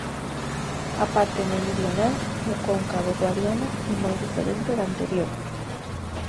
A parte meridional, ou conca do Guadiana, é moi diferente da anterior.